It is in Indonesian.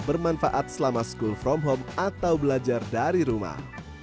bermanfaat selama sekolah dari rumah atau belajar dari rumah